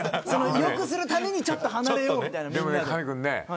良くするためにちょっと離れようみたいな。